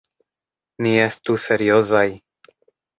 Ni estu seriozaj.